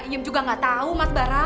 iyem juga gak tau mas bara